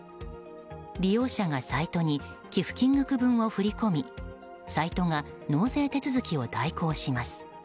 利用者がサイトに寄付金額分を振り込みサイトが納税手続きを代行します。